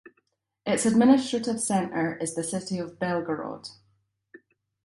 Its administrative center is the city of Belgorod.